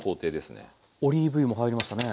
オリーブ油も入りましたね。